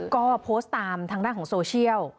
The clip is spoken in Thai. ก็โพสต์ตามทางด้านของโซเชียล